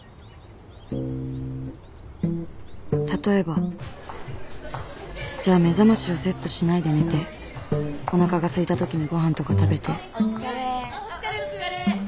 例えばじゃあ目覚ましをセットしないで寝ておなかがすいた時にごはんとか食べてお疲れ。